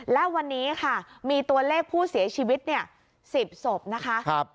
และวันนี้มีตัวเลขผู้เสียชีวิต๑๐ศพ